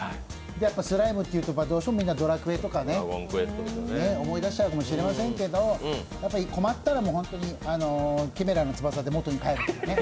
スライムというと、どうしてもみんな「ドラクエ」とか思い出しちゃうかもしれませんけど困ったら本当にキメラの翼で元に帰るとかね。